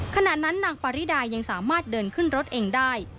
ขณะนั้นนางปาริดายังสามารถเดินขึ้นรถเองได้